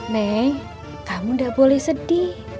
neng kamu gak boleh sedih